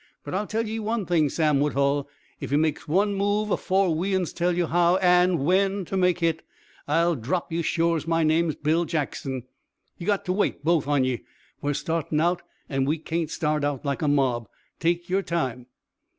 But I'll tell ye one thing, Sam Woodhull, ef ye make one move afore we uns tell ye how an' when to make hit, I'll drop ye, shore's my name's Bill Jackson. Ye got to wait, both on ye. We're startin' out, an' we kain't start out like a mob. Take yer time."